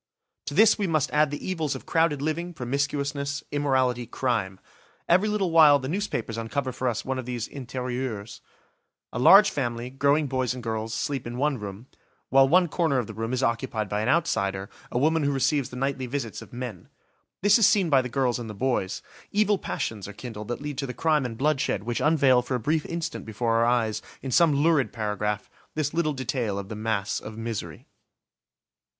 To this we must add the evils of crowded living, promiscuousness, immorality, crime. Every little while the newspapers uncover for us one of these intérieurs: a large family, growing boys and girls, sleep in one room; while one corner of the room is occupied by an outsider, a woman who receives the nightly visits of men. This is seen by the girls and the boys; evil passions are kindled that lead to the crime and bloodshed which unveil for a brief instant before our eyes, in some lurid paragraph, this little detail of the mass of misery.